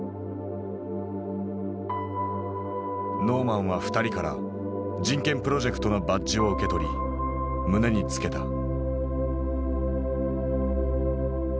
ノーマンは２人から人権プロジェクトのバッジを受け取り胸に付けた。